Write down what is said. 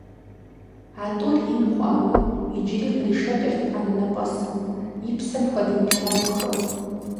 А тӀур ин хъуауэ, иджыри къришэкӀырт анэнэпӀэсым, и псэм хуэдэу илъагъухэу.